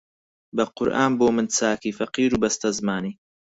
بە قورئان بۆ من چاکی فەقیر و بەستەزمانی